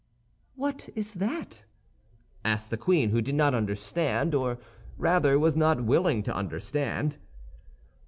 "What is that?" asked the queen, who did not understand, or rather was not willing to understand.